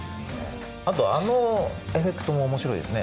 あとあのエフェクトも面白いですね